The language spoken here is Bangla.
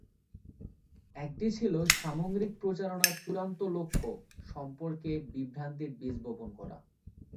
একটি ছিল সামগ্রিক প্রচারণার চূড়ান্ত লক্ষ্য সম্পর্কে বিভ্রান্তির বীজ বপন করা।